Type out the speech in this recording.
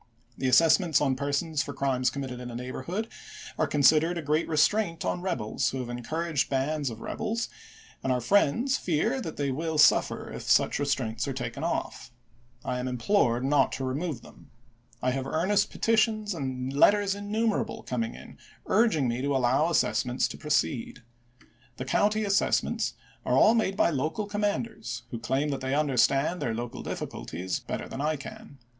The assessments on persons for crimes committed in a neighborhood are considered a great re straint on rebels who have encouraged bands of rebels, and our friends fear that they wiU suffer if such restraints are taken off. I am implored not to remove them. I have earnest petitions and letters innumerable coming in, MISSOUKI GUEKKILLAS AND POLITICS 389 urging me to allow assessments to proceed. The county ch. xviii. assessments are all made by local commanders, who claim that they understand their local difficulties better than I can.